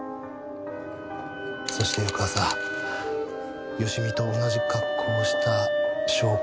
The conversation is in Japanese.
そして翌朝芳美と同じ格好をした翔子を尾行して。